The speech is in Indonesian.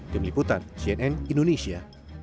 tim liputan cnn indonesia